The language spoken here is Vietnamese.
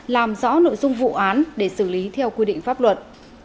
làm rõ nội dung vụ án để xử lý theo quy định pháp luật